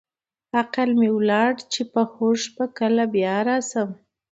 عقل مې ولاړ چې په هوښ به کله بیا راشم.